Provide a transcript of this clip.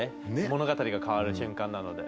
物語が変わる瞬間なので。